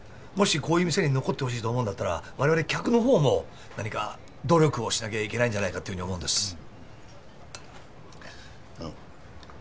もしこういう店に残ってほしいと思うんだったらわれわれ客の方も何か努力をしなきゃいけないんじゃないかっていうふうに思うんです。